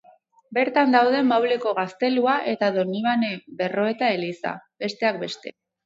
Bertan daude Mauleko gaztelua eta Donibane Berroeta eliza, besteak beste.